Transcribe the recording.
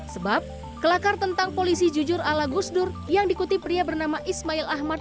sebab kelakar tentang polisi jujur ala gusdur yang dikutip pria bernama ismail ahmad